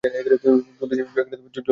জলদি চালাও, জিন!